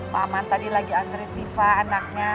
paman tadi lagi nganterin viva anaknya